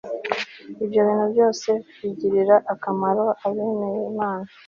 ibyo bintu byose bigirira akamaro abemera imana